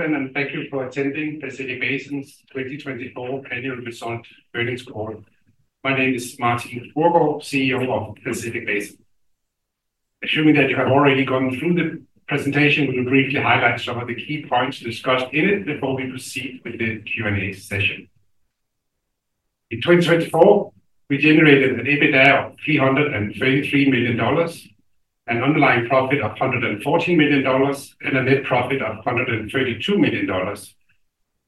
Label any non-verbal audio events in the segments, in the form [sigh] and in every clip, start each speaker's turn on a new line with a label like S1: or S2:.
S1: Middle and thank you for attending Pacific Basin's 2024 annual result earnings call. My name is Martin Fruergaard, CEO of Pacific Basin. Assuming that you have already gone through the presentation, we will briefly highlight some of the key points discussed in it before we proceed with the Q&A session. In 2024, we generated an EBITDA of $333 million, an underlying profit of $114 million, and a net profit of $132 million.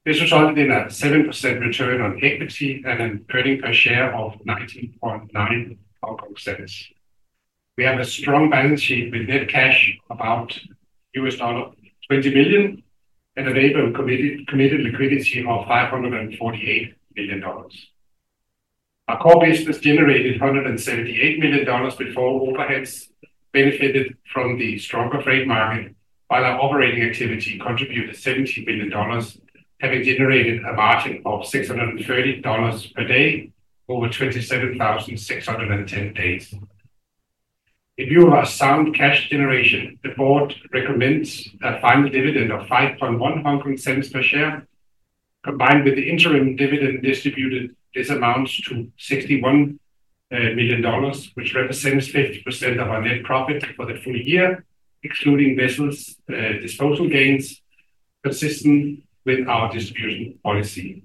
S1: This resulted in a 7% return on equity and an earnings per share of 19.9%. We have a strong balance sheet with net cash about $20 million and a net committed liquidity of $548 million. Our core business generated $178 million before overheads benefited from the stronger trade market, while our operating activity contributed $17 million, having generated a margin of $630 per day over 27,610 days. In view of our sound cash generation, the board recommends a final dividend of 5.1 per share. Combined with the interim dividend distributed, this amounts to $61 million, which represents 50% of our net profit for the full year, excluding vessels' disposal gains, consistent with our distribution policy.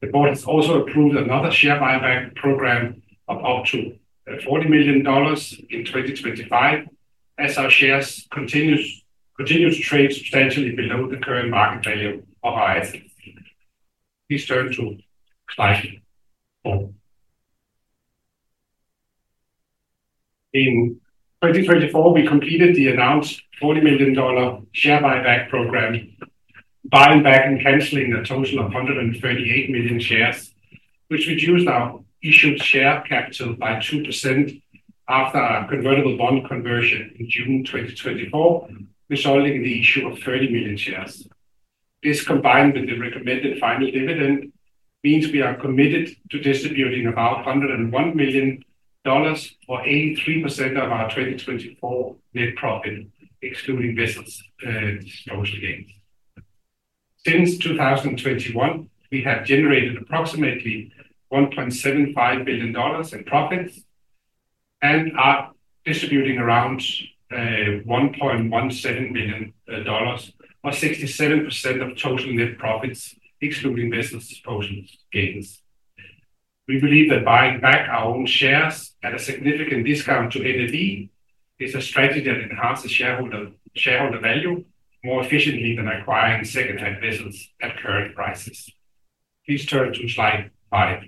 S1: The board has also approved another share buyback program of up to $40 million in 2025, as our shares continue to trade substantially below the current market value of our assets. Please turn to slide four. In 2024, we completed the announced $40 million share buyback program, buying back and canceling a total of $138 million shares, which reduced our issued share capital by 2% after our convertible bond conversion in June 2024, resulting in the issue of 30 million shares. This, combined with the recommended final dividend, means we are committed to distributing about $101 million or 83% of our 2024 net profit, excluding vessels' disposal gains. Since 2021, we have generated approximately $1.75 billion in profits and are distributing around $1.17 billion, or 67% of total net profits, excluding vessels' disposal gains. We believe that buying back our own shares at a significant discount to NAV is a strategy that enhances shareholder value more efficiently than acquiring second-hand vessels at current prices. Please turn to slide five.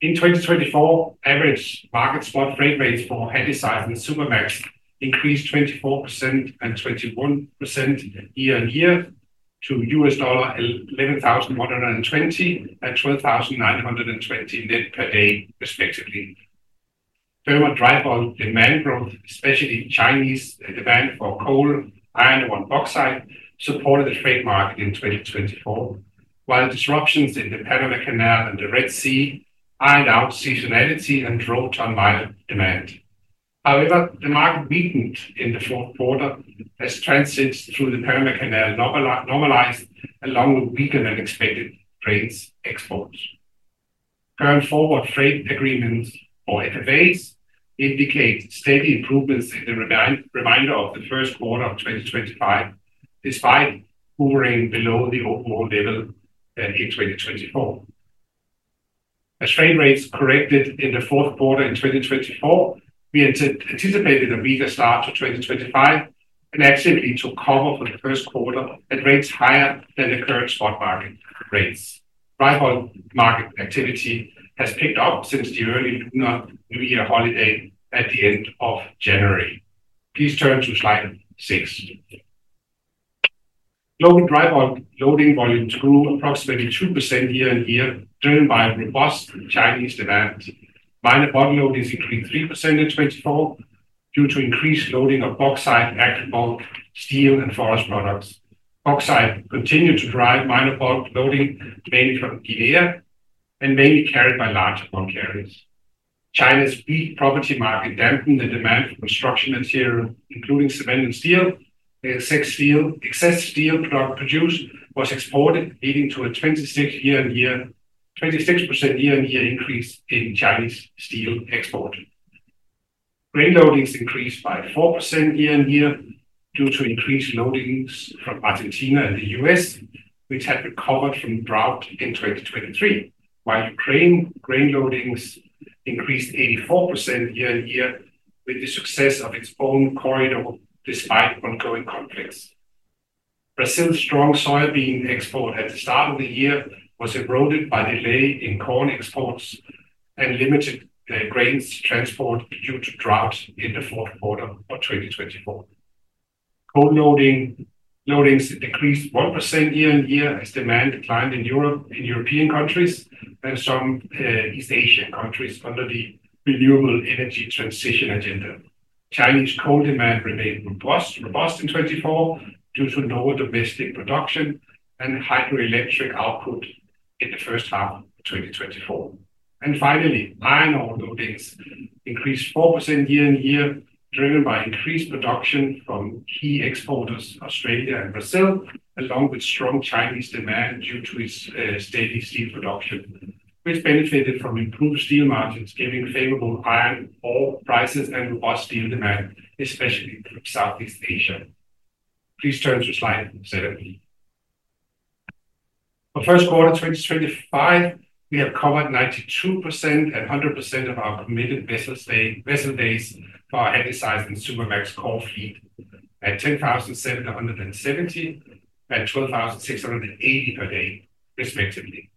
S1: In 2024, average market spot trade rates for Handysize and Supramax increased 24% and 21% year-on-year to $11,120 and $12,920 net per day, respectively. Further drive on demand growth, especially Chinese demand for coal, iron, and bauxite, supported the trade market in 2024, while disruptions in the Panama Canal and the Red Sea ironed out seasonality and drove down via demand. However, the market weakened in the fourth quarter as transits through the Panama Canal normalized, along with weaker than expected trades exports. Current forward freight agreements for FFAs indicate steady improvements in the remainder of the first quarter of 2025, despite hovering below the overall level in 2024. As trade rates corrected in the fourth quarter in 2024, we anticipated a weaker start to 2025 and actually took cover for the first quarter at rates higher than the current spot market rates. Dry bulk market activity has picked up since the early Lunar New Year holiday at the end of January. Please turn to slide six. Global dry bulk loading volumes grew approximately 2% year-on-year, driven by robust Chinese demand. Minor bulk loadings increased 3% in 2024 due to increased loading of bauxite, agrobulk, steel, and forest products. Bauxite continued to drive minor bulk loading, mainly from Guinea and mainly carried by large bulk carriers. China's weak property market dampened the demand for construction material, including cement and steel. Excess steel produced was exported, leading to a 26% year-on-year increase in Chinese steel export. Grain loadings increased by 4% year-on-year due to increased loadings from Argentina and the U.S., which had recovered from drought in 2023, while Ukraine grain loadings increased 84% year-on-year with the success of its own corridor, despite ongoing conflicts. Brazil's strong soybean export at the start of the year was eroded by delay in corn exports and limited grains transport due to drought in the fourth quarter of 2024. Coal loadings decreased 1% year-on-year as demand declined in Europe and European countries and some East Asian countries under the renewable energy transition agenda. Chinese coal demand remained robust in 2024 due to lower domestic production and hydroelectric output in the first half of 2024. Finally, iron ore loadings increased 4% year-on-year, driven by increased production from key exporters, Australia and Brazil, along with strong Chinese demand due to its steady steel production, which benefited from improved steel margins, giving favorable iron ore prices and robust steel demand, especially in Southeast Asia. Please turn to slide seven. For first quarter 2025, we have covered 92% and 100% of our committed vessel days for Handysize and Supramax core fleet at $10,770 and $12,680 per day, respectively.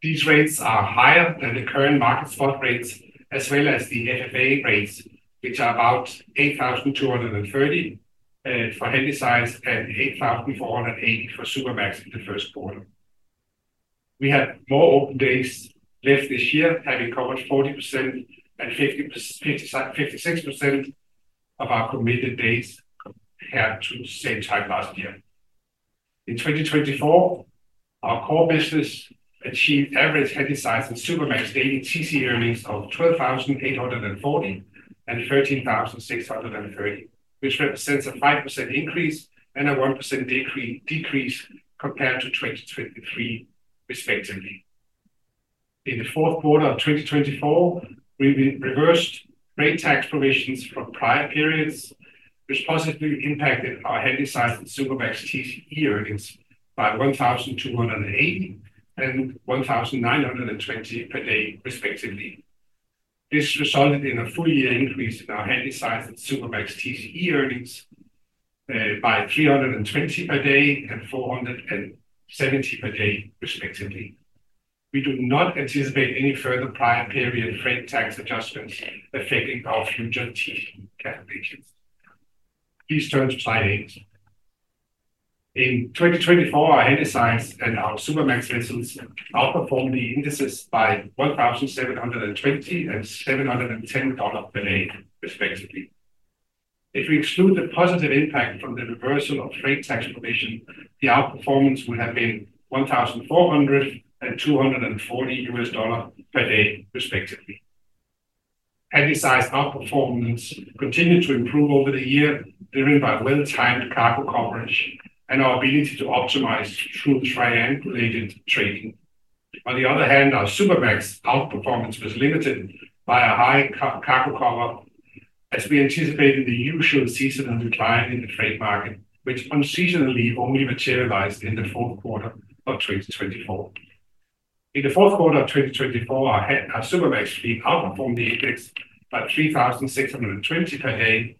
S1: These rates are higher than the current market spot rates, as well as the FFA rates, which are about $8,230 for Handysize and $8,480 for Supramax in the first quarter. We have more open days left this year, having covered 40% and 56% of our committed days compared to the same time last year. In 2024, our core business achieved average Handysize and Supramax daily TCE earnings of $12,840 and $13,630, which represents a 5% increase and a 1% decrease compared to 2023, respectively. In the fourth quarter of 2024, we reversed rate tax provisions from prior periods, which positively impacted our Handysize and Supramax TCE earnings by $1,280 and $1,920 per day, respectively. This resulted in a full-year increase in our Handysize and Supramax TCE earnings by $320 per day and $470 per day, respectively. We do not anticipate any further prior period rate tax adjustments affecting our future TC calculations. Please turn to slide eight. In 2024, our Handysize and our Supramax vessels outperformed the indices by $1,720 and $710 per day, respectively. If we exclude the positive impact from the reversal of rate tax provision, the outperformance would have been $1,400 and $240 per day, respectively. Handysize outperformance continued to improve over the year, driven by well-timed cargo coverage and our ability to optimize through triangulated trading. On the other hand, our Supramax outperformance was limited by a high cargo cover, as we anticipated the usual seasonal decline in the trade market, which unseasonably only materialized in the fourth quarter of 2024. In the fourth quarter of 2024, our Supramax fleet outperformed the index by $3,620 per day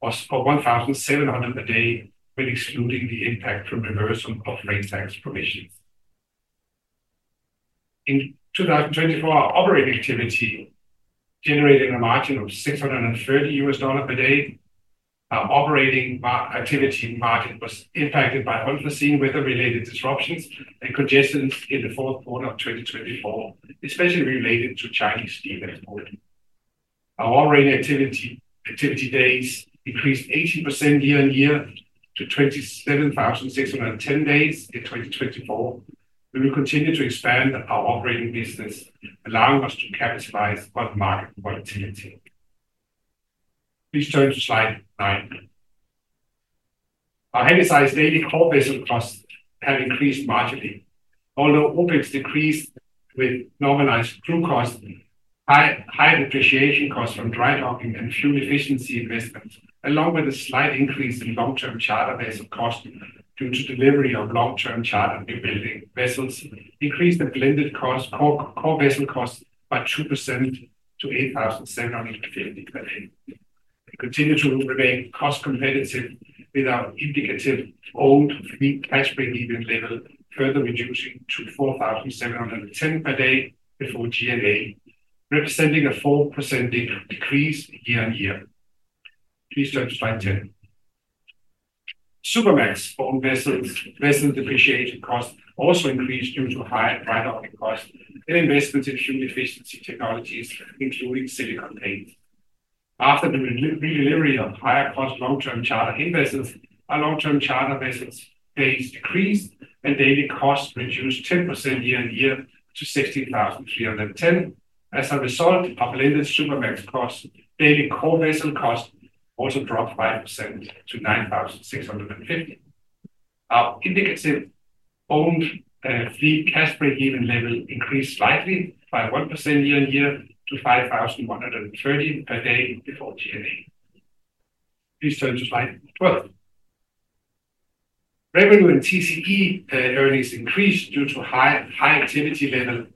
S1: or $1,700 per day, when excluding the impact from reversal of rate tax provisions. In 2024, our operating activity generated a margin of $630 per day. Our operating activity margin was impacted by unforeseen weather-related disruptions and congestion in the fourth quarter of 2024, especially related to Chinese steel export. Our operating activity days increased 80% year-on-year to 27,610 days in 2024. We will continue to expand our operating business, allowing us to capitalize on market volatility. Please turn to slide nine. Our Handysize daily core vessel costs have increased marginally, although Opex decreased with normalized crew costs, higher depreciation costs from dry docking and fuel efficiency investments, along with a slight increase in long-term charter vessel costs due to delivery of long-term charter vessels, increased the blended core vessel cost by 2% to $8,750 per day. We continue to remain cost competitive with our indicative old fleet cash breakeven level, further reducing to $4,710 per day before G&A, representing a 4% decrease year-on-year. Please turn to slide 10. Supramax owned vessels' vessel depreciation costs also increased due to higher dry docking costs and investments in fuel efficiency technologies, including silicon paint. After the redelivery of higher-cost long-term charter-in vessels, our long-term charter vessels' days decreased and daily costs reduced 10% year-on-year to $16,310. As a result, our blended Supramax costs, daily core vessel costs also dropped 5% to $9,650. Our indicative own fleet cash breakeven level increased slightly by 1% year-on-year to $5,130 per day before G&A. Please turn to slide 12. Revenue and TCE earnings increased due to high activity level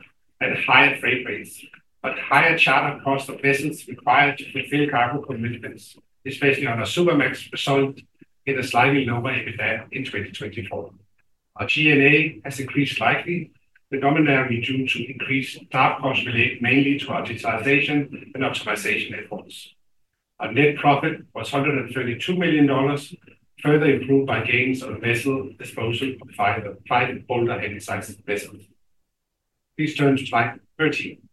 S1: and higher freight rates, but higher charter costs of vessels required to fulfill cargo commitments, especially on our Supramax, resulted in a slightly lower EBITDA in 2024. Our G&A has increased slightly, predominantly due to increased draft costs related mainly to our digitization and optimization efforts. Our net profit was $132 million, further improved by gains on vessel disposal of five older Handysize vessels. Please turn to slide 13.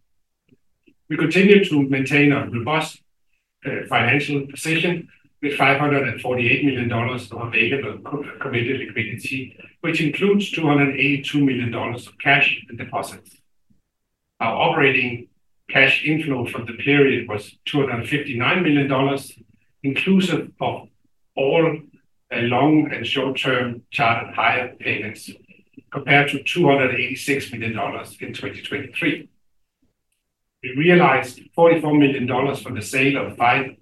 S1: We continue to maintain a robust financial position with $548 million of available committed liquidity, which includes $282 million of cash and deposits. Our operating cash inflow from the period was $259 million, inclusive of all long and short-term charter hire payments, compared to $286 million in 2023. We realized $44 million from the sale of five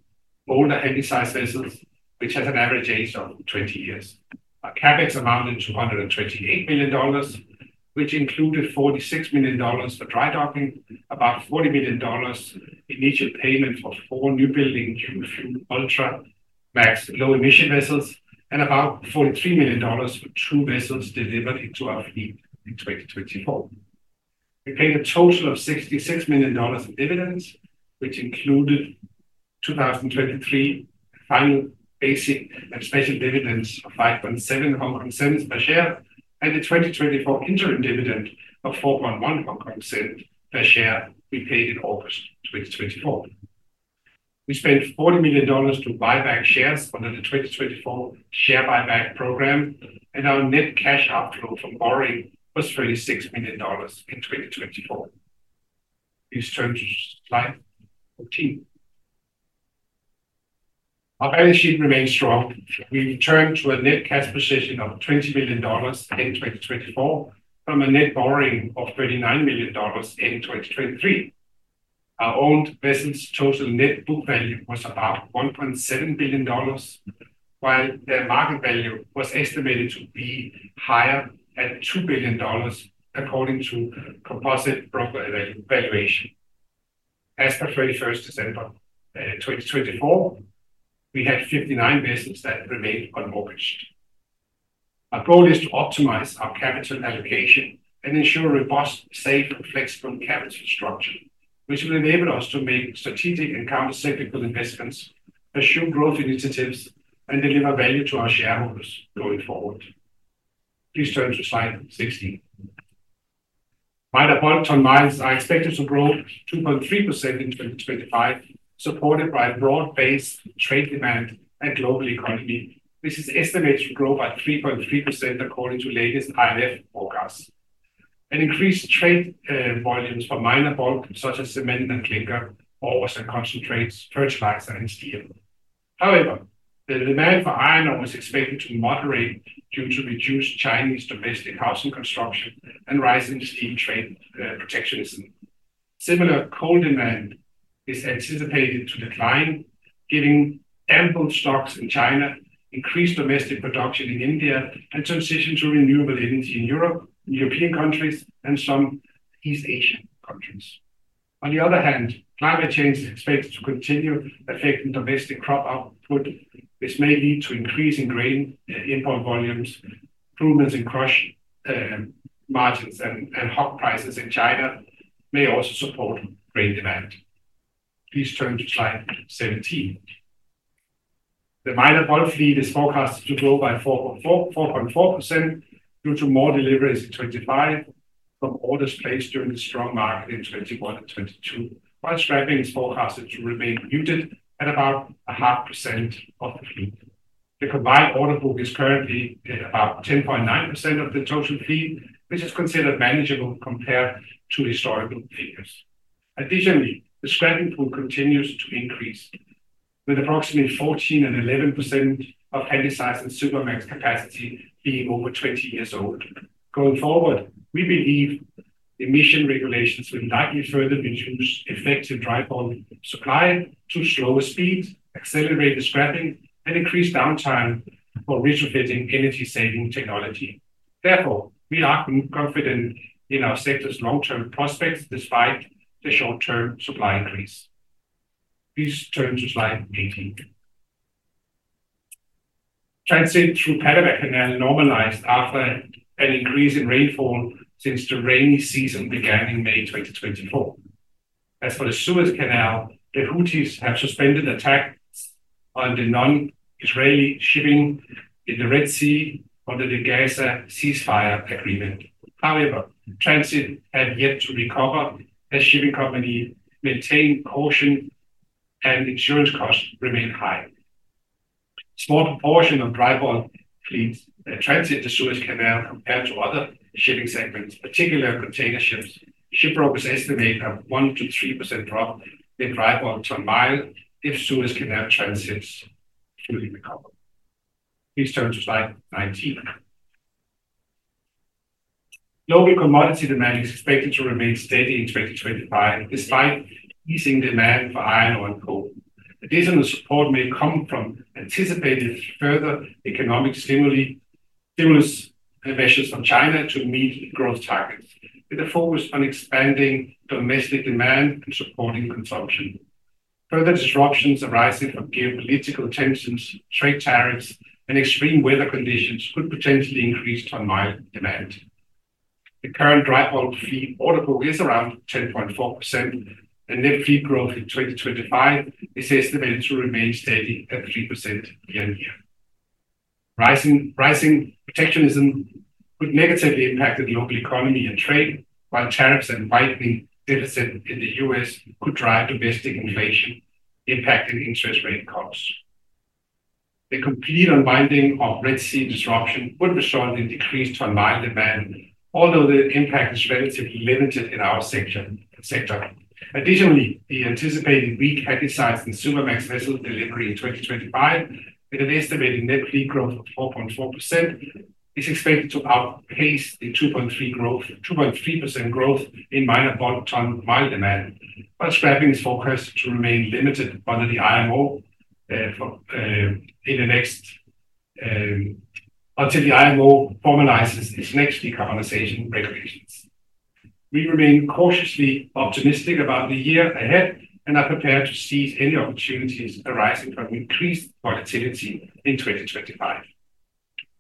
S1: older Handysize vessels, which has an average age of 20 years. Our CapEx amounted to $128 million, which included $46 million for dry docking, about $40 million in initial payment for four new-building fuel Ultramax low-emission vessels, and about $43 million for two vessels delivered into our fleet in 2024. We paid a total of $66 million in dividends, which included 2023 final basic and special dividends of 5.7 per share, and a 2024 interim dividend of 4.1 per share we paid in August 2024. We spent $40 million to buy back shares under the 2024 share buyback program, and our net cash outflow from borrowing was $36 million in 2024. Please turn to slide fourteen. Our balance sheet remains strong. We returned to a net cash position of $20 million in 2024 from a net borrowing of $39 million in 2023. Our own vessels' total net book value was about $1.7 billion, while their market value was estimated to be higher at $2 billion, according to composite broker valuation. As per 31st December 2024, we had 59 vessels that remained unmortgaged. Our goal is to optimize our capital allocation and ensure a robust, safe, and flexible capital structure, which will enable us to make strategic and countercyclical investments, assume growth initiatives, and deliver value to our shareholders going forward. Please turn to slide 16. Minor bulk ton-miles are expected to grow 2.3% in 2025, supported by broad-based trade demand and global economy. This is estimated to grow by 3.3% according to latest INF forecasts. Increased trade volumes for minor bulk such as cement and clinker, ore and concentrates, fertilizer, and steel. However, the demand for iron ore is expected to moderate due to reduced Chinese domestic housing construction and rising steel trade protectionism. Similar core demand is anticipated to decline, giving ample stocks in China, increased domestic production in India, and transition to renewable energy in Europe, European countries, and some East Asian countries. On the other hand, climate change is expected to continue affecting domestic crop output, which may lead to increasing grain import volumes. Improvements in crush margins and hog prices in China may also support grain demand. Please turn to slide 17. The minor bulk fleet is forecasted to grow by 4.4% due to more deliveries in 2025 from orders placed during the strong market in 2021 and 2022, while scrapping is forecasted to remain muted at about 0.5% of the fleet. The combined order book is currently about 10.9% of the total fleet, which is considered manageable compared to historical figures. Additionally, the scrapping pool continues to increase, with approximately 14% and 11% of Handysize and Supramax capacity being over 20 years old. Going forward, we believe emission regulations will likely further reduce effective dry bulk supply to slow speed, accelerate the scrapping, and increase downtime for retrofitting energy-saving technology. Therefore, we are confident in our sector's long-term prospects despite the short-term supply increase. Please turn to slide 18. Transit through Panama Canal normalized after an increase in rainfall since the rainy season began in May 2024. As for the Suez Canal, the Houthis have suspended attacks on the non-Israeli shipping in the Red Sea under the Gaza ceasefire agreement. However, transit has yet to recover as shipping companies maintain caution and insurance costs remain high. A small proportion of dry bulk fleets transit the Suez Canal compared to other shipping segments, particularly container ships. Shipbrokers estimate a 1%-3% drop in dry bulk ton-miles if Suez Canal transits should recover. Please turn to slide 19. Global commodity demand is expected to remain steady in 2025, despite easing demand for iron ore and coal. Additional support may come from anticipated further economic stimulus measures from China to meet growth targets, with a focus on expanding domestic demand and supporting consumption. Further disruptions arising from geopolitical tensions, trade tariffs, and extreme weather conditions could potentially increase ton-miles demand. The current dry bulk fleet order book is around 10.4%, and net fleet growth in 2025 is estimated to remain steady at 3% year-on-year. Rising protectionism could negatively impact the global economy and trade, while tariffs and widening deficit in the U.S. could drive domestic inflation, impacting interest rate costs. The complete unwinding of Red Sea disruption would result in decreased ton-miles demand, although the impact is relatively limited in our sector. Additionally, the anticipated weak Handysize and Supramax vessel delivery in 2025, with an estimated net fleet growth of 4.4%, is expected to outpace the 2.3% growth in minor bulk ton-miles demand, while scrapping is forecast to remain limited under the IMO until the IMO formalizes its next decarbonization regulations. We remain cautiously optimistic about the year ahead and are prepared to seize any opportunities arising from increased volatility in 2025.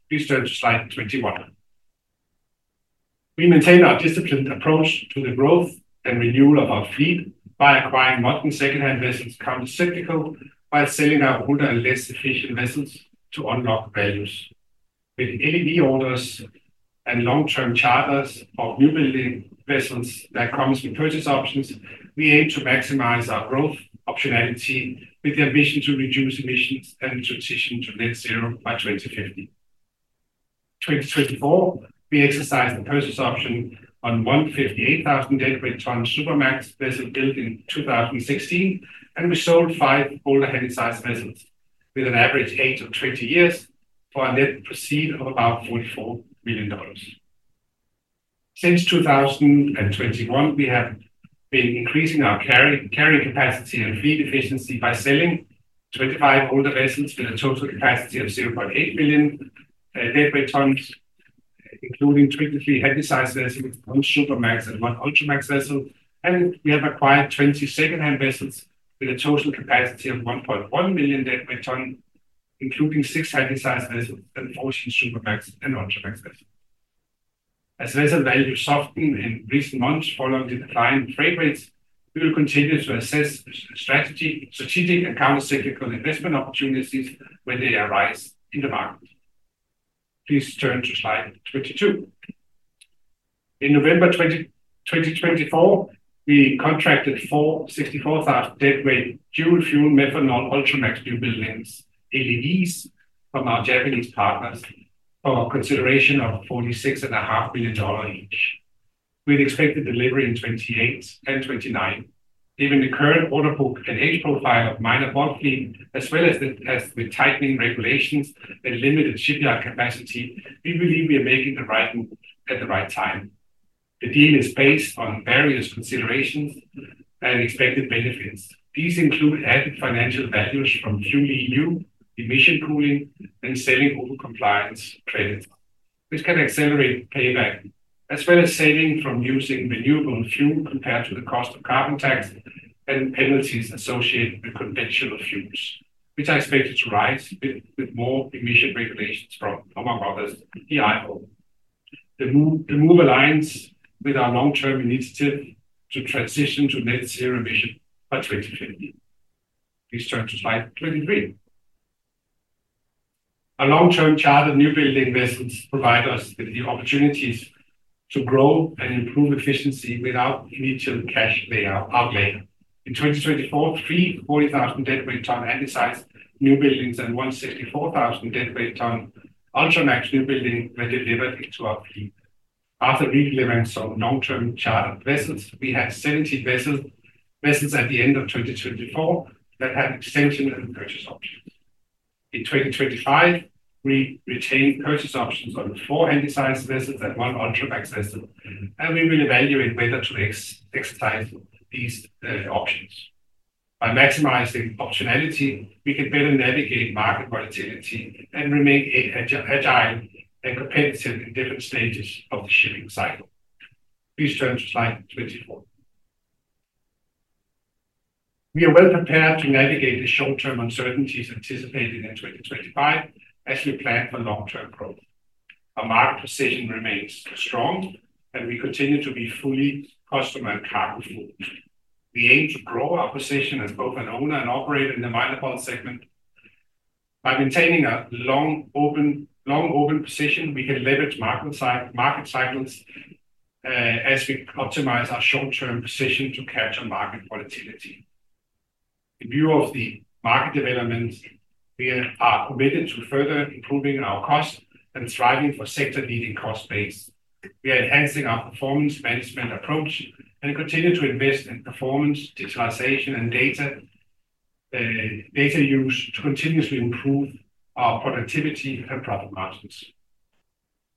S1: Please turn to slide 21. We maintain our disciplined approach to the growth and renewal of our fleet by acquiring modern second-hand vessels countercyclical while selling our older and less efficient vessels to unlock values. With LEV orders and long-term charters for new-building vessels that come with purchase options, we aim to maximize our growth optionality with the ambition to reduce emissions and transition to net zero by 2050. In 2024, we exercised the purchase option on one 58,000 DWT Supramax vessel built in 2016, and we sold five older Handysize vessels with an average age of 20 years for a net proceed of about $44 million. Since 2021, we have been increasing our carrying capacity and fleet efficiency by selling 25 older vessels with a total capacity of 0.8 million DWT including 23 Handysize vessels, one Supramax, and one Ultramax vessel. We have acquired 20 second-hand vessels with a total capacity of 1.1 million DWT, including six Handysize vessels and 14 Supramax and Ultramax vessels. As vessel values soften in recent months following the decline in freight rates, we will continue to assess strategic and countercyclical investment opportunities when they arise in the market. Please turn to slide 22. In November 2024, we contracted four 64,000 DWT dual-fuel methanol Ultramax new-buildings LEVs from our Japanese partners for consideration of $46.5 million each. We expect the delivery in 2028 and 2029. Given the current order book and age profile of the minor bulk fleet, as well as the tightening regulations and limited shipyard capacity, we believe we are making the right move at the right time. The deal is based on various considerations and expected benefits. These include added financial values from FuelEU, emission pooling, and selling over compliance credit, which can accelerate payback, as well as saving from using renewable fuel compared to the cost of carbon tax and penalties associated with conventional fuels, which are expected to rise with more emission regulations from, among others, the. [audio distortion] The move aligns with our long-term initiative to transition to net zero emission by 2050. Please turn to slide 23. Our long-term chartered new-building vessels provide us with the opportunities to grow and improve efficiency without initial cash outlay. In 2024, three 40,000 DWT Handysize new buildings and one 64,000 DWT Ultramax new building were delivered into our fleet. After redevelopment of long-term chartered vessels, we had 70 vessels at the end of 2024 that had extension and purchase options. In 2025, we retained purchase options on four Handysize vessels and one Ultramax vessel, and we will evaluate whether to exercise these options. By maximizing optionality, we can better navigate market volatility and remain agile and competitive in different stages of the shipping cycle. Please turn to slide 24. We are well prepared to navigate the short-term uncertainties anticipated in 2025 as we plan for long-term growth. Our market position remains strong, and we continue to be fully customer and cargo focused. We aim to grow our position as both an owner and operator in the minor bulk segment. By maintaining a long-open position, we can leverage market cycles as we optimize our short-term position to capture market volatility. In view of the market development, we are committed to further improving our cost and striving for sector-leading cost base. We are enhancing our performance management approach and continue to invest in performance, digitalization, and data use to continuously improve our productivity and profit margins.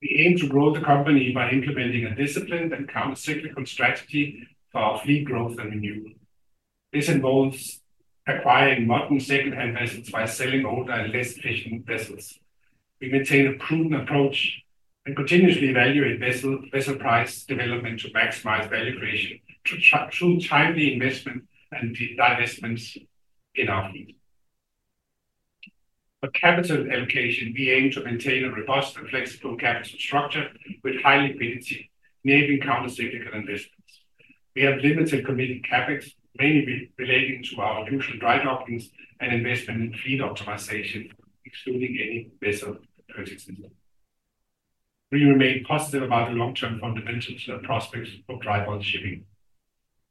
S1: We aim to grow the company by implementing a disciplined and countercyclical strategy for our fleet growth and renewal. This involves acquiring modern second-hand vessels by selling older and less efficient vessels. We maintain a prudent approach and continuously evaluate vessel price development to maximize value creation through timely investment and divestments in our fleet. For capital allocation, we aim to maintain a robust and flexible capital structure with high liquidity, enabling countercyclical investments. We have limited committed CapEx, mainly relating to our usual dry dockings and investment in fleet optimization, excluding any vessel purchases. We remain positive about the long-term fundamentals and prospects for dry bulk shipping.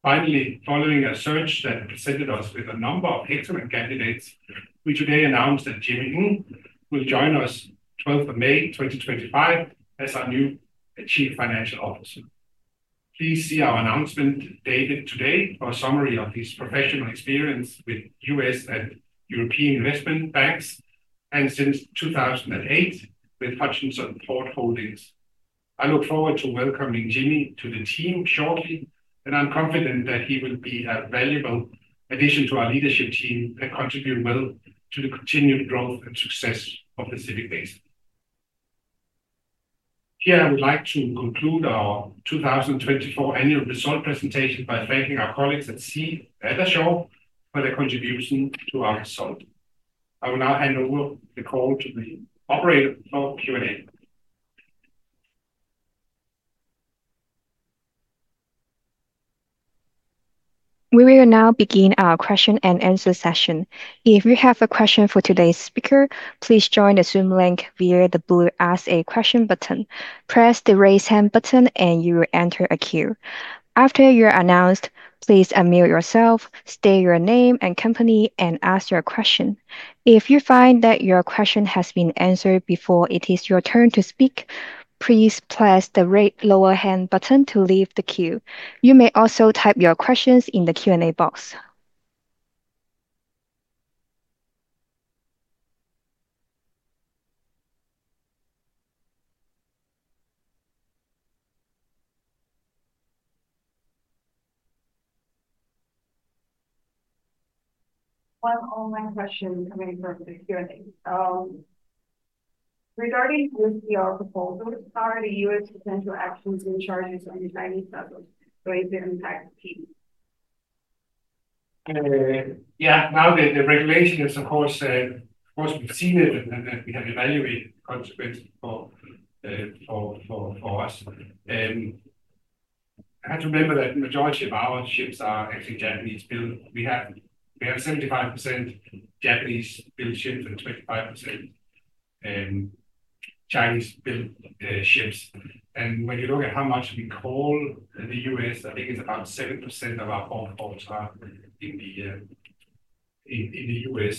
S1: Finally, following a search that presented us with a number of excellent candidates, we today announced that [Jimmy Ng] will join us on 12th of May 2025 as our new Chief Financial Officer. Please see our announcement dated today for a summary of his professional experience with U.S. and European investment banks and since 2008 with Hutchison Port Holdings. I look forward to welcoming Jimmy to the team shortly, and I'm confident that he will be a valuable addition to our leadership team that contributes well to the continued growth and success of Pacific Basin. Here, I would like to conclude our 2024 annual result presentation by thanking our colleagues at sea and at the shore for their contribution to our result. I will now hand over the call to the operator for Q&A.
S2: We will now begin our question and answer session. If you have a question for today's speaker, please join the Zoom link via the blue Ask a Question button. Press the raise hand button, and you will enter a queue. After you are announced, please unmute yourself, state your name and company, and ask your question. If you find that your question has been answered before it is your turn to speak, please press the right lower hand button to leave the queue. You may also type your questions in the Q&A box.
S3: One online question coming from the Q&A. Regarding USTR proposal, how are the U.S. potential actions and charges on Chinese vessels going to impact the PE?
S1: Yeah, now the regulation is, of course, of course, we've seen it, and we have evaluated the consequences for us. I have to remember that the majority of our ships are actually Japanese built. We have 75% Japanese-built ships and 25% Chinese-built ships. When you look at how much we call the U.S., I think it is about 7% of our forecasts in the U.S.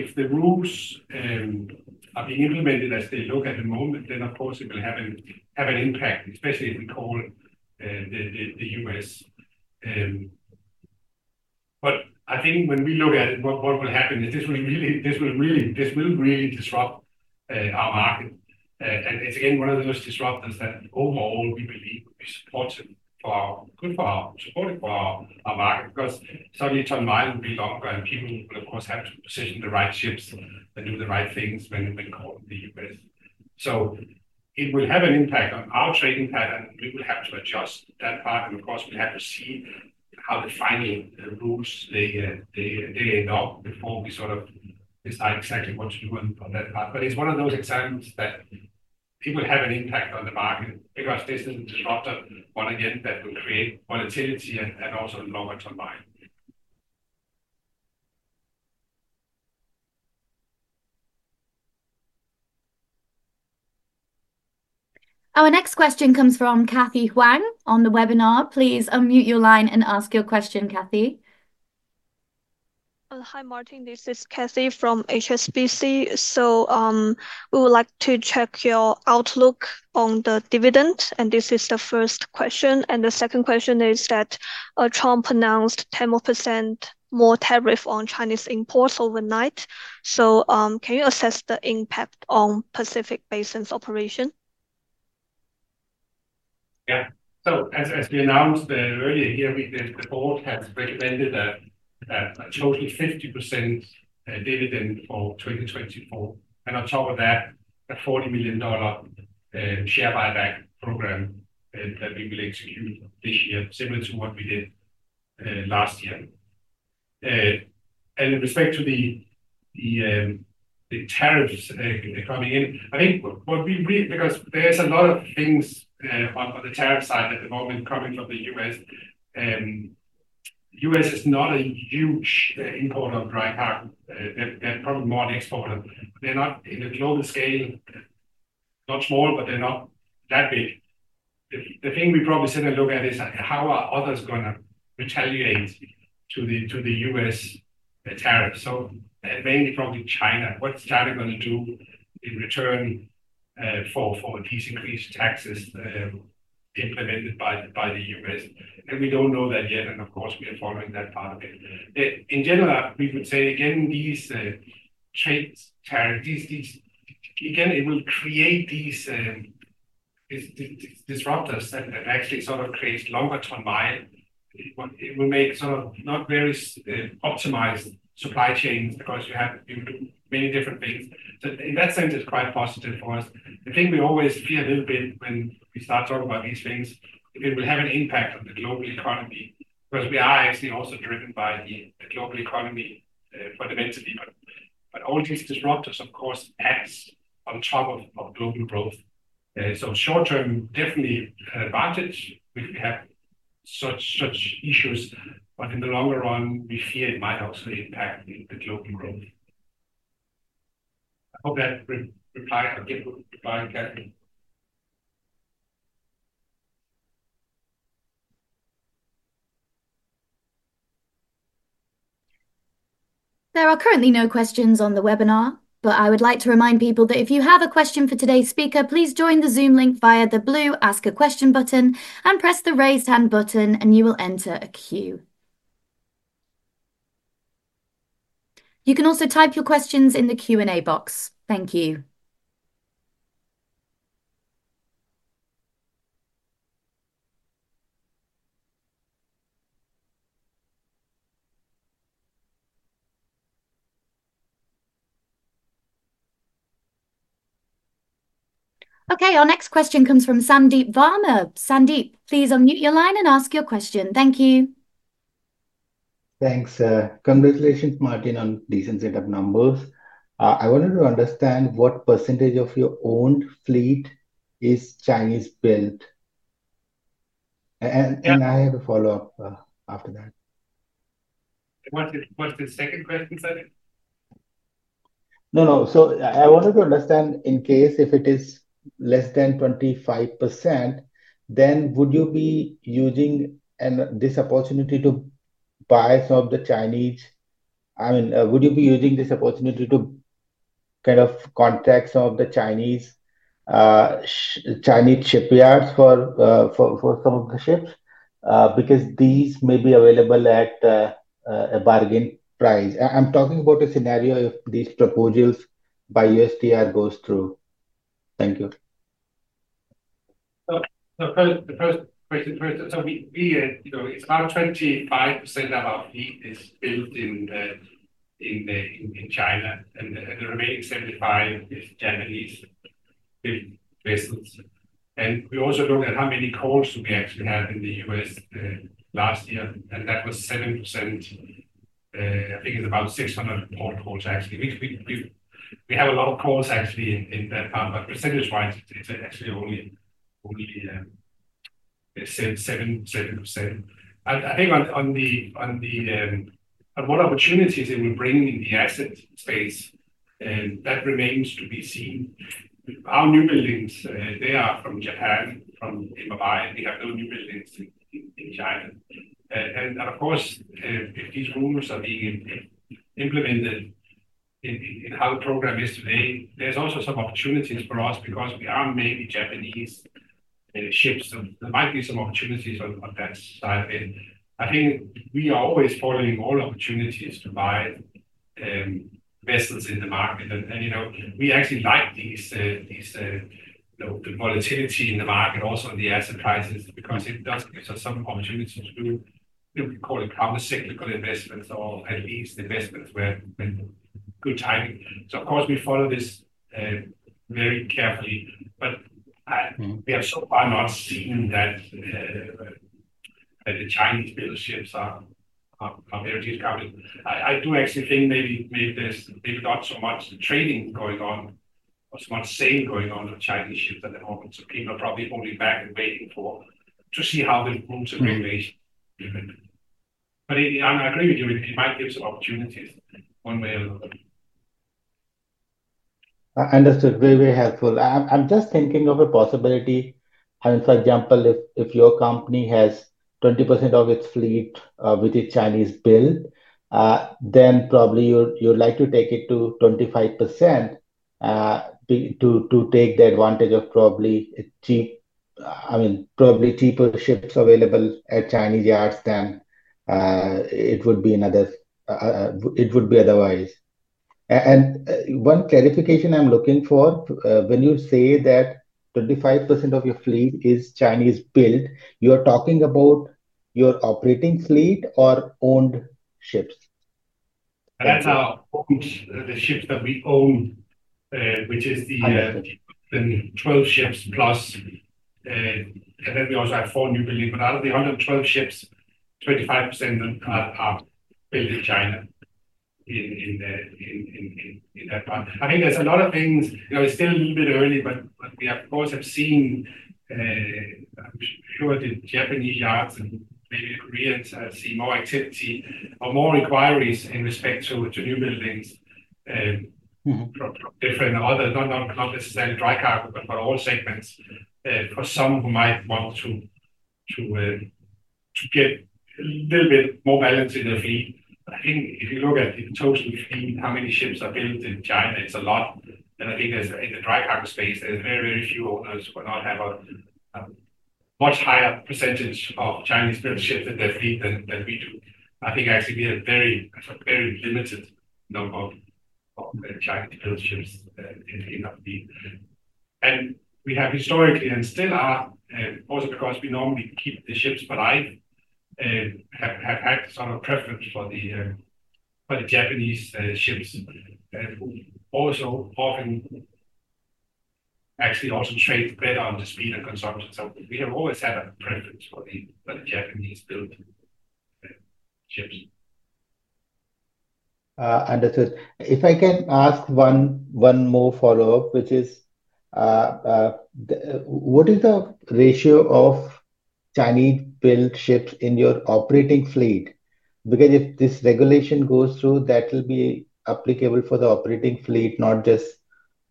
S1: If the rules are being implemented as they look at the moment, it will have an impact, especially if we call the U.S. I think when we look at it, what will happen is this will really disrupt our market. It is, again, one of those disruptors that overall we believe will be supportive for our, good for our, supportive for our market because suddenly ton-miles will be longer and people will have to position the right ships and do the right things when calling the U.S. It will have an impact on our trading pattern. We will have to adjust that part, and of course, we'll have to see how the final rules they end up before we sort of decide exactly what to do on that part. It is one of those examples that it will have an impact on the market because this is a disruptor, once again, that will create volatility and also a longer ton miles.
S2: Our next question comes from Cathy Huang on the webinar. Please unmute your line and ask your question, Cathy.
S4: Hi, Martin. This is Cathy from HSBC. We would like to check your outlook on the dividend, and this is the first question. The second question is that Trump announced 10% more tariff on Chinese imports overnight. Can you assess the impact on Pacific Basin's operation?
S1: Yeah. As we announced earlier here, the board has recommended a total 50% dividend for 2024. On top of that, a $40 million share buyback program that we will execute this year, similar to what we did last year. In respect to the tariffs coming in, I think what we really, because there are a lot of things on the tariff side at the moment coming from the U.S. The U.S. is not a huge importer of dry cargo. They are probably more an exporter. They are not, on a global scale, small, but they are not that big. The thing we probably sit and look at is how are others going to retaliate to the U.S. tariffs? Mainly probably China. What is China going to do in return for these increased taxes implemented by the U.S.? We do not know that yet, and of course, we are following that part of it. In general, we would say, again, these trade tariffs, again, it will create these disruptors that actually sort of create longer ton-miles. It will make sort of not very optimized supply chains because you have to do many different things. In that sense, it is quite positive for us. I think we always fear a little bit when we start talking about these things, it will have an impact on the global economy because we are actually also driven by the global economy fundamentally. All these disruptors, of course, act on top of global growth. Short-term, definitely an advantage if we have such issues, but in the longer run, we fear it might also impact the global growth. I hope that replies, again, would reply, Cathy.
S2: There are currently no questions on the webinar, but I would like to remind people that if you have a question for today's speaker, please join the Zoom link via the blue Ask a Question button and press the raise hand button, and you will enter a queue. You can also type your questions in the Q&A box. Thank you. Okay, our next question comes from Sandeep Varma. Sandeep, please unmute your line and ask your question. Thank you.
S3: Thanks. Congratulations, Martin, on decent set of numbers. I wanted to understand what percentage of your owned fleet is Chinese-built. And I have a follow-up after that.
S1: What's the second question, sir?
S3: No, no. I wanted to understand in case if it is less than 25%, then would you be using this opportunity to buy some of the Chinese? I mean, would you be using this opportunity to kind of contract some of the Chinese shipyards for some of the ships because these may be available at a bargain price? I'm talking about a scenario if these proposals by USTR go through. Thank you.
S1: First question, it's about 25% of our fleet is built in China, and the remaining 75% is Japanese-built vessels. We also looked at how many calls we actually had in the U.S. last year, and that was 7%. I think it's about 600 calls, actually. We have a lot of calls, actually, in that part, but percentage-wise, it's actually only 7%. I think on what opportunities it will bring in the asset space, that remains to be seen. Our new buildings, they are from Japan, from [audio distorion]. We have no new buildings in China. Of course, if these rules are being implemented in how the program is today, there's also some opportunities for us because we are mainly Japanese ships. There might be some opportunities on that side. I think we are always following all opportunities to buy vessels in the market. We actually like the volatility in the market, also on the asset prices, because it does give us some opportunity to do what we call countercyclical investments or at least investments where good timing. Of course, we follow this very carefully, but we have so far not seen that the Chinese-built ships are very discovered. I do actually think maybe there's not so much trading going on or so much sale going on of Chinese ships at the moment. People are probably holding back and waiting to see how the rules are being made. I agree with you. It might give some opportunities one way or another.
S3: Understood. Very, very helpful. I'm just thinking of a possibility. For example, if your company has 20% of its fleet with a Chinese build, then probably you'd like to take it to 25% to take the advantage of probably cheap, I mean, probably cheaper ships available at Chinese yards than it would be otherwise. One clarification I'm looking for, when you say that 25% of your fleet is Chinese-built, you are talking about your operating fleet or owned ships?
S1: That's our owned ships that we own, which is the 12 ships plus, and then we also have four new buildings. Out of the 112 ships, 25% are built in China in that part. I think there's a lot of things. It's still a little bit early, but we of course have seen, I'm sure the Japanese yards and maybe the Koreans see more activity or more inquiries in respect to new buildings from different others, not necessarily dry cargo, but all segments for some who might want to get a little bit more balance in their fleet. I think if you look at the total fleet, how many ships are built in China, it's a lot. I think in the dry cargo space, there are very, very few owners who will not have a much higher percentage of Chinese-built ships in their fleet than we do. I think actually we have a very limited number of Chinese-built ships in our fleet. We have historically and still are, also because we normally keep the ships alive, have had sort of preference for the Japanese ships, who also often actually also trade better on the speed and consumption. We have always had a preference for the Japanese-built ships.
S3: Understood. If I can ask one more follow-up, which is, what is the ratio of Chinese-built ships in your operating fleet? Because if this regulation goes through, that will be applicable for the operating fleet, not just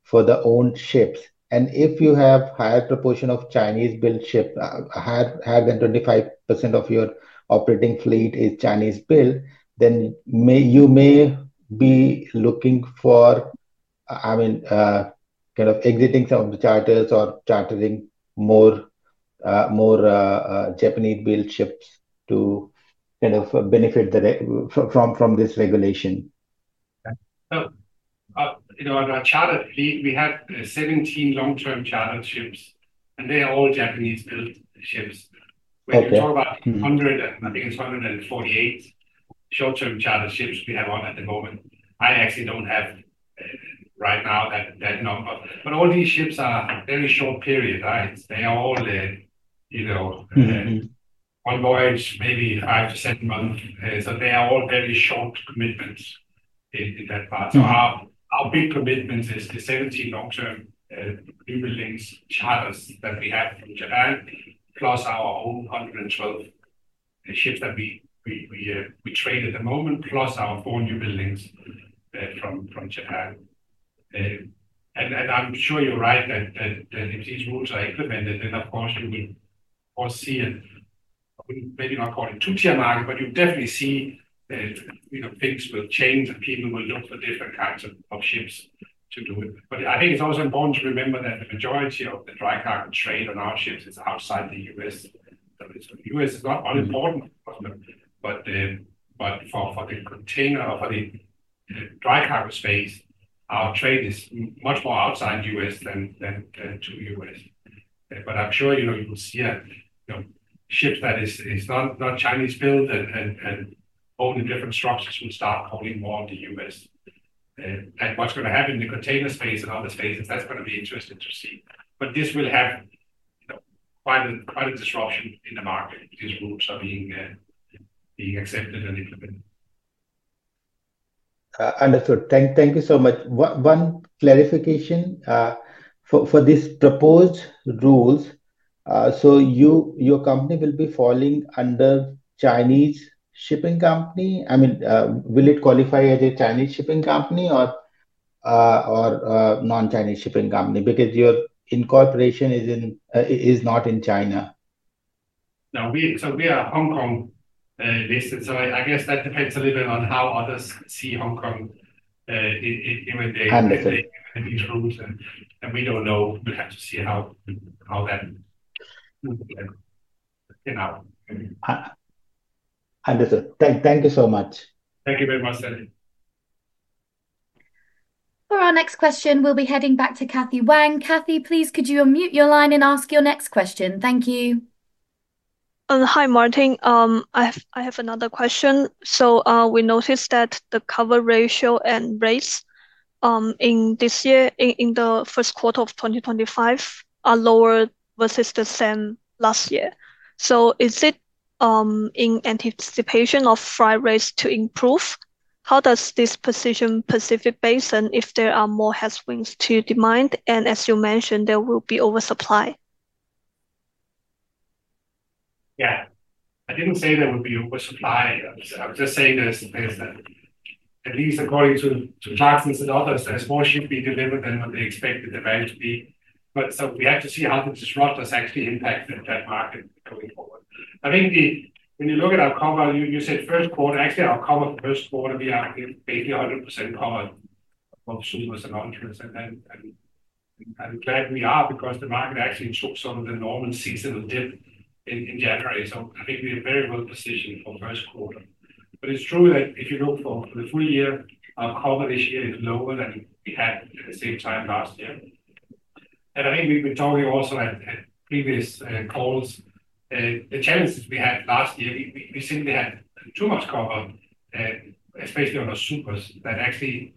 S3: for the owned ships. If you have a higher proportion of Chinese-built ships, higher than 25% of your operating fleet is Chinese-built, then you may be looking for, I mean, kind of exiting some of the charters or chartering more Japanese-built ships to kind of benefit from this regulation.
S1: On our charter, we have 17 long-term chartered ships, and they are all Japanese-built ships. When you talk about 100, I think it's 148 short-term chartered ships we have on at the moment. I actually don't have right now that number. All these ships are very short period. They are all on voyage, maybe five to seven months. They are all very short commitments in that part. Our big commitment is the 17 long-term new buildings charters that we have from Japan, plus our own 112 ships that we trade at the moment, plus our four new buildings from Japan. I'm sure you're right that if these rules are implemented, then of course you will see a, maybe not call it two-tier market, but you'll definitely see things will change and people will look for different kinds of ships to do it. I think it's also important to remember that the majority of the dry cargo trade on our ships is outside the U.S. The U.S. is not unimportant, but for the container or for the dry cargo space, our trade is much more outside the U.S. than to the U.S. I'm sure you will see ships that are not Chinese-built and own different structures will start calling more of the U.S. What's going to happen in the container space and other spaces, that's going to be interesting to see. This will have quite a disruption in the market if these rules are being accepted and implemented.
S3: Understood. Thank you so much. One clarification for these proposed rules. Your company will be falling under Chinese shipping company? I mean, will it qualify as a Chinese shipping company or non-Chinese shipping company? Because your incorporation is not in China.
S1: No, we are Hong Kong-based. I guess that depends a little bit on how others see Hong Kong in these rules. We do not know. We will have to see how that turns out.
S3: Understood. Thank you so much.
S1: Thank you very much, Sandeep.
S2: For our next question, we will be heading back to Cathy Huang. Cathy, please, could you unmute your line and ask your next question? Thank you.
S4: Hi, Martin. I have another question. We noticed that the cover ratio and rates in the first quarter of 2025 are lower versus the same last year. Is it in anticipation of freight rates to improve? How does this position Pacific Basin if there are more headwinds to demand? As you mentioned, there will be oversupply.
S1: Yeah. I did not say there would be oversupply. I was just saying there's at least according to Clarksons and others, there's more ship being delivered than what they expected there to be. We have to see how the disruptors actually impact that market going forward. I think when you look at our cover, you said first quarter, actually our cover for first quarter, we are basically 100% covered of shipments and launches. I'm glad we are because the market actually took some of the normal seasonal dip in January. I think we are very well positioned for first quarter. It's true that if you look for the full year, our cover this year is lower than we had at the same time last year. I think we've been talking also at previous calls, the challenges we had last year, we simply had too much cover, especially on our supers that actually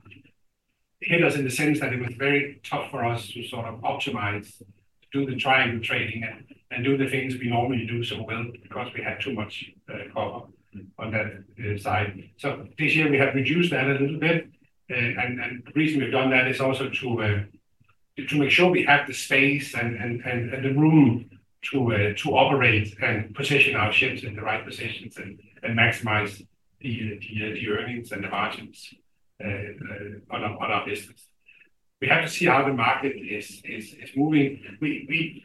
S1: hit us in the sense that it was very tough for us to sort of optimize, to do the triangle trading and do the things we normally do so well because we had too much cover on that side. This year, we have reduced that a little bit. The reason we've done that is also to make sure we have the space and the room to operate and position our ships in the right positions and maximize the earnings and the margins on our business. We have to see how the market is moving. We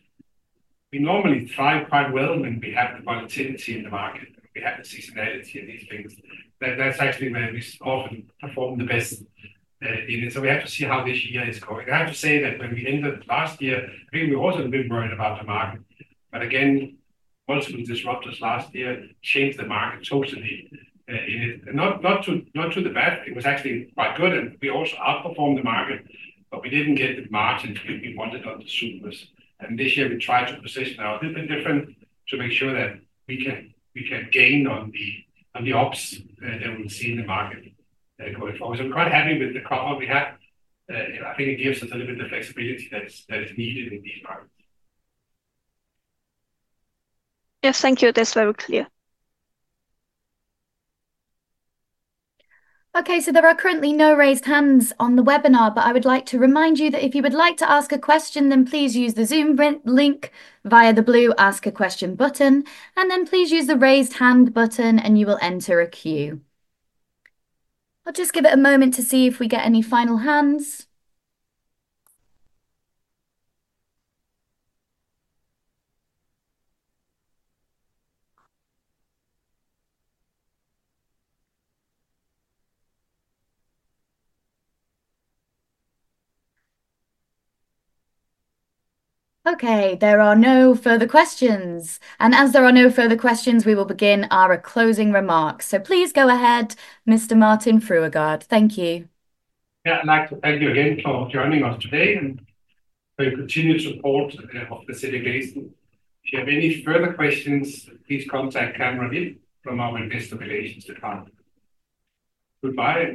S1: normally thrive quite well when we have the volatility in the market. We have the seasonality and these things. That's actually where we often perform the best in it. We have to see how this year is going. I have to say that when we entered last year, I think we also had a bit worried about the market. Again, multiple disruptors last year changed the market totally in it. Not to the best. It was actually quite good. We also outperformed the market, but we did not get the margin we wanted on the supers. This year, we tried to position our little bit different to make sure that we can gain on the ops that we will see in the market going forward. We are quite happy with the cover we have. I think it gives us a little bit of flexibility that is needed in these markets.
S4: Yes, thank you. That is very clear.
S2: Okay, so there are currently no raised hands on the webinar, but I would like to remind you that if you would like to ask a question, then please use the Zoom link via the blue Ask a Question button. Please use the raised hand button and you will enter a queue. I'll just give it a moment to see if we get any final hands. Okay, there are no further questions. As there are no further questions, we will begin our closing remarks. Please go ahead, Mr. Martin Fruergaard. Thank you.
S1: Yeah, and thank you again for joining us today and for your continued support of Pacific Basin. If you have any further questions, please contact Ken Roggitt from our Investor Relations Department. Goodbye.